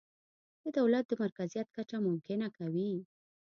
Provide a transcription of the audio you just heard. د دولت د مرکزیت کچه ممکنه کوي.